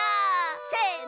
せの！